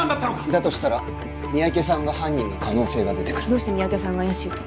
だとしたら三宅さんが犯人の可能性が出てくるどうして三宅さんが怪しいと？